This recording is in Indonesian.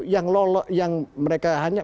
yang mereka hanya